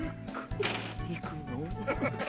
「行くの？」。